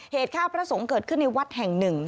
เหตุฆ่าพระสงฆ์เกิดขึ้นในวัดแห่งหนึ่ง